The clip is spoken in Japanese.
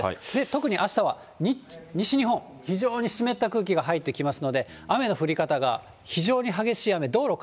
特にあしたは西日本、非常に湿った空気が入ってきますので、雨の降り方が非常に激しい雨、道路、